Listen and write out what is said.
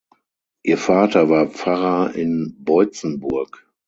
Ihr Vater war Pfarrer in Boitzenburg.